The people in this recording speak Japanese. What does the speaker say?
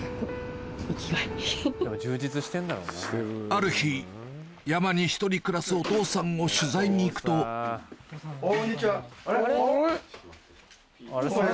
ある日山に１人暮らすお父さんを取材に行くとこんにちはあれ？